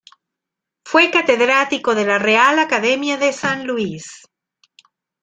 Fue catedrático de la Real Academia de San Luis.